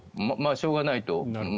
しょうがないと。